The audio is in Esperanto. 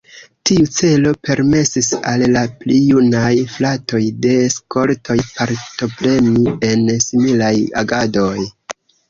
Tiu celo permesis al la pli junaj fratoj de skoltoj partopreni en similaj agadoj.